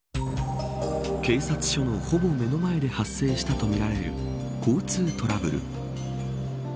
警察署のほぼ目の前で発生したとみられる交通トラブル。